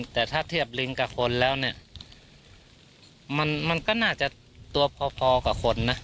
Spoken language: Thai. แต่ถ้าเทียบลิงกับคนแล้วเนี่ยมันก็น่าจะตัวพอกับคนนะ